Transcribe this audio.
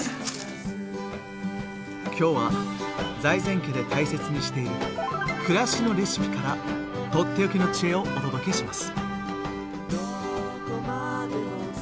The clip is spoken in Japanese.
今日は財前家で大切にしている「暮らしのレシピ」からとっておきの知恵をお届けします。